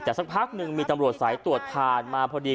แต่สักพักหนึ่งมีตำรวจสายตรวจผ่านมาพอดี